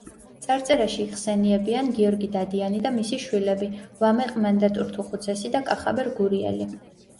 წარწერაში იხსენიებიან გიორგი დადიანი და მისი შვილები, ვამეყ მანდატურთუხუცესი და კახაბერ გურიელი.